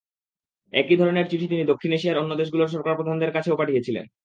একই ধরনের চিঠি তিনি দক্ষিণ এশিয়ার অন্য দেশগুলোর সরকারপ্রধানদের কাছেও পাঠিয়েছিলেন।